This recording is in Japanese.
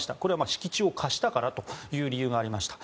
敷地を貸したからという理由がありました。